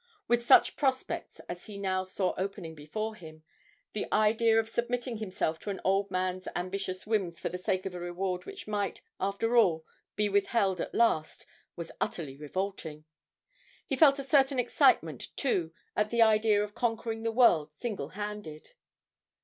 With such prospects as he now saw opening before him, the idea of submitting himself to an old man's ambitious whims for the sake of a reward which might, after all, be withheld at last was utterly revolting. He felt a certain excitement, too, at the idea of conquering the world single handed.